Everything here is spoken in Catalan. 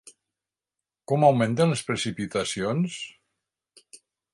Com augmenten les precipitacions?